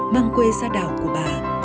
mang quê xa đảo của bà